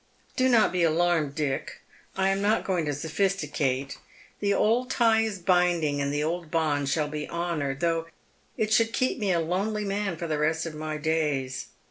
Do not be alanned, Dick, I am not going to sophisticate The old tie is binding, and the old bond shall be honoured, though it should keep me a lonely man for the rest of my days.